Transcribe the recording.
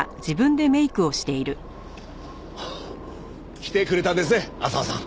来てくれたんですね浅輪さん。